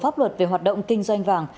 pháp luật về hoạt động kinh doanh vàng